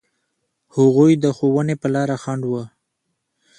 هغوی د ښوونې په لاره خنډ و.